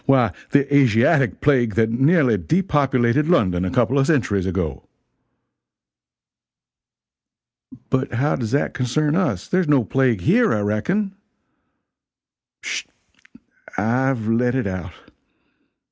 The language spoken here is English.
Why the Asiatic plague that nearly depopulated London a couple of centuries ago." "But how does that concern us? There is no plague here, I reckon." "Sh! I've let it out!